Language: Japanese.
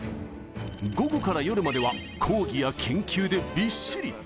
午後から夜までは講義や研究でびっしり。